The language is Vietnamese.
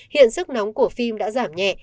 hiện sức nóng của phim đã giảm nhẹ